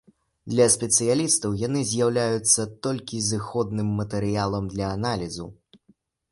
Для спецыялістаў яны з'яўляюцца толькі зыходным матэрыялам для аналізу.